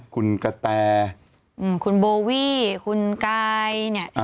คุณกะแตนคุณโบวี้คุณกาย